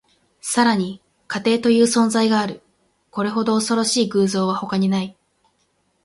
さらに、家庭という存在がある。これほど恐ろしい偶像は他にない。